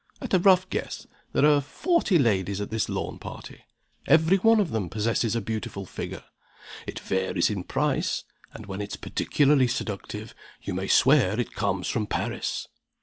At a rough guess, there are forty ladies at this lawn party. Every one of them possesses a beautiful figure. It varies in price; and when it's particularly seductive you may swear it comes from Paris.